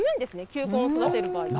球根を育てる場合。